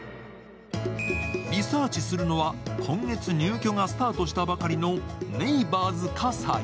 リサーチするのは今月入居がスタートしたばかりのネイバーズ葛西。